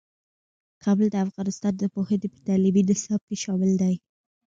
کابل د افغانستان د پوهنې په تعلیمي نصاب کې شامل دی.